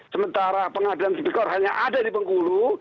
sementara pengadilan tipikor hanya ada di bengkulu